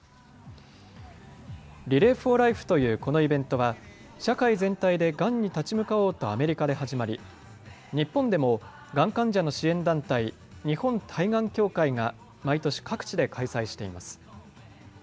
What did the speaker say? リレー・フォー・ライフというこのイベントは社会全体でがんに立ち向かおうとアメリカで始まり、日本でもがん患者の支援団体、日本対がん協会が毎年、各地で開催しています。